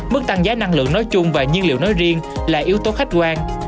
mức tăng giá năng lượng nói chung và nhiên liệu nói riêng là yếu tố khách quan